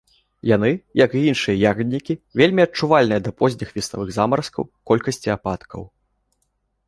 Яны, як і іншыя ягаднікі, вельмі адчувальныя да позніх веснавых замаразкаў, колькасці ападкаў.